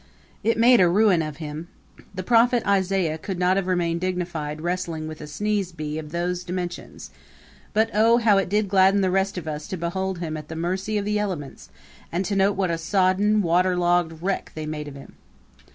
It made a ruin of him the Prophet Isaiah could not have remained dignified wrestling with a sneezing bee of those dimensions but oh, how it did gladden the rest of us to behold him at the mercy of the elements and to note what a sodden, waterlogged wreck they made of him!